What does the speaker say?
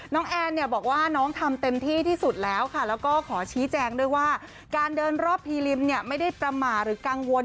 แอนเนี่ยบอกว่าน้องทำเต็มที่ที่สุดแล้วค่ะแล้วก็ขอชี้แจงด้วยว่าการเดินรอบพีริมเนี่ยไม่ได้ประมาทหรือกังวล